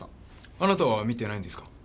あなたは見てないんですか？